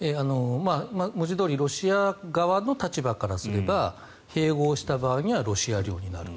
文字どおりロシア側の立場からすれば併合した場合にはロシア領になる。